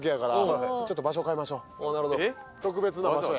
特別な場所や。